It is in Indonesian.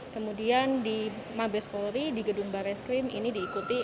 kemudian di mabes polri di gedung barreskrim ini diikuti